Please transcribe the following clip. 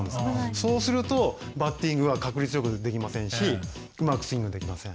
そうするとバッティングが確率よくできませんしうまくスイングできません。